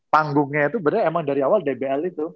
panggungnya itu emang dari awal dbl itu